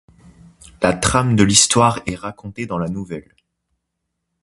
La trame de l'histoire est racontée dans la nouvelle.